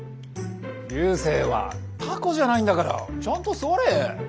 流星はタコじゃないんだからちゃんとすわれ。